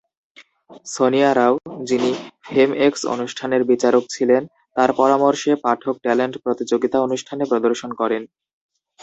সোনিয়া রাও, যিনি Fame X অনুষ্ঠানের বিচারক ছিলেন, তার পরামর্শে পাঠক ট্যালেন্ট প্রতিযোগিতা অনুষ্ঠানে প্রদর্শন করেন।